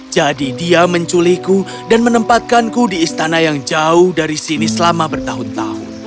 jadi dia menculikku dan menempatkanku di istana yang jauh dari sini selama bertahun tahun